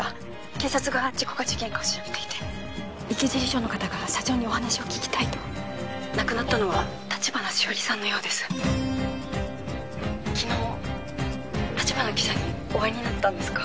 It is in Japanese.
警察が事故か事件かを調べていて池尻署の方が社長にお話を聞きたいと☎亡くなったのは橘しおりさんのようです☎昨日橘記者にお会いになったんですか？